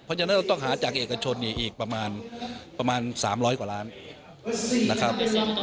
เพราะฉะนั้นต้องหาจากเอกชนอีกประมาณสามร้อยกว่าร้านนะครับ